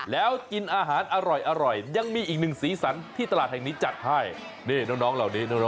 แล้วกินอาหารอร่อยยังมีอีกหนึ่งศีลศรที่ตลาดแห่งนี้จัดไห้นี่น้องเหล่านี้น้องโยเวชนครับ